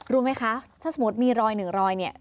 รู้ไหมคะถ้าสมมุติมีรอยหนึ่งรอยเนี่ย